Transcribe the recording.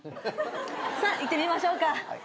さあ行ってみましょうか。